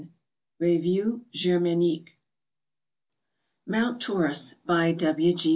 Revue Germanique. MOUNT TAURUS. BY W. G.